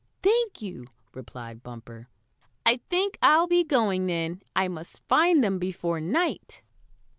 "Thank you," replied Bumper. "I think I'll be going, then. I must find them before night."